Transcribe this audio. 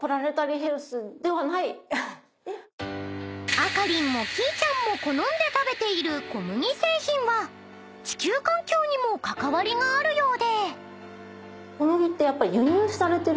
［あかりんもきいちゃんも好んで食べている小麦製品は地球環境にも関わりがあるようで］